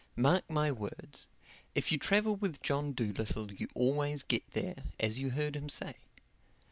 Mark my words, if you travel with John Dolittle you always get there, as you heard him say.